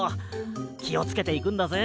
きをつけていくんだぜ。